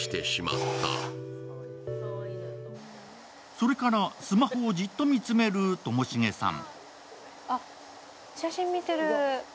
それからスマホをじっと見つめるともしげさん。